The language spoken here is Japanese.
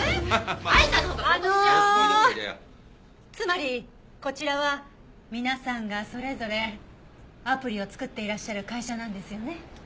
あのつまりこちらは皆さんがそれぞれアプリを作っていらっしゃる会社なんですよね？